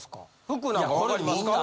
福なんかわかりますか？